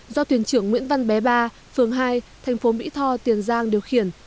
do thuyền trưởng nguyễn văn bé ba phường hai thành phố mỹ tho tiền giang điều khiển